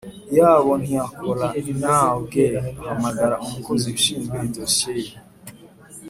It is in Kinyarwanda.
yabo ntiyakora Naw Gay ahamagara umukozi ushinzwe idosiye ye